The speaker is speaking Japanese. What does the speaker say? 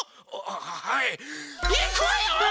はい。